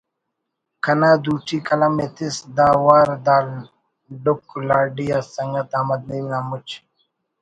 کنا دوٹی قلم ءِ تس دا وار دا ڈکھ لاڈی آسنگت احمد نعیم نا مچ